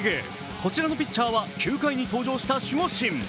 こちらのピッチャーは９回に登場した守護神。